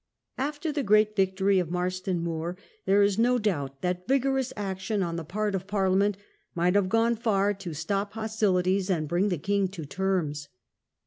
After the great victory of Marston Moor there is no doubt that vigorous action on the part of Parliament might have gone far to stop hostilities and xhePariia bring the king to terms.